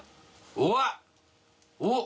うわ！おっ。